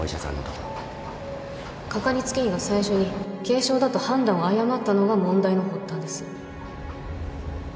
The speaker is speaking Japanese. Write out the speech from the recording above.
かかりつけ医が最初に軽症だと判断を誤ったのが問題の発端です